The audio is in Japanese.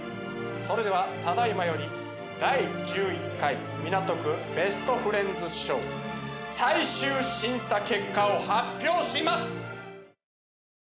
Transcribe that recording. それではただ今より第１１回港区ベストフレンズＳＨＯＷ最終審査結果を発表します！